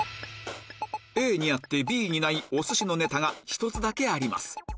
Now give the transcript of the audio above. ＡにあってＢにないおすしのネタが１つだけあります